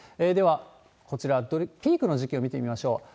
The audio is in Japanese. では、こちら、ピークの時期を見てみましょう。